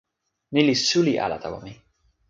ni li suli ala tawa mi.